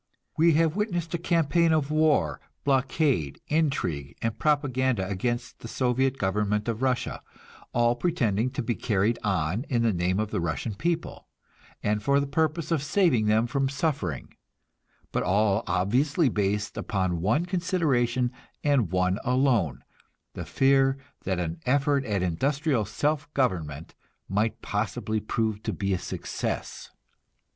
We have witnessed a campaign of war, blockade, intrigue and propaganda against the Soviet government of Russia, all pretending to be carried on in the name of the Russian people, and for the purpose of saving them from suffering but all obviously based upon one consideration and one alone, the fear that an effort at industrial self government might possibly prove to be a success.